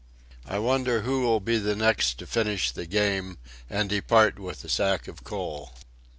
I wonder who will be the next to finish the game and depart with a sack of coal.